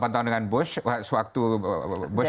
delapan tahun dengan bush bush kan dia senator dan lain sebagainya